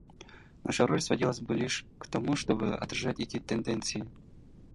Наша роль сводилась бы лишь к тому, чтобы отражать эти тенденции.